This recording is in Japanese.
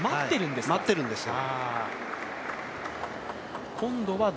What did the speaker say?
待ってるんですよ。